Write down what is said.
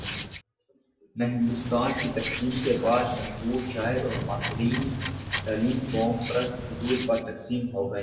میں ہندوستان کی تقسیم کے بعد، مشہور شاعر اور ماہرین تعلیم قوم پرست خطوط پر تقسیم ہو گئے۔